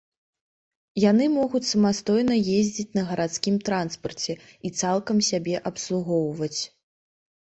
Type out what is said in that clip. Яны могуць самастойна ездзіць на гарадскім транспарце і цалкам сябе абслугоўваць.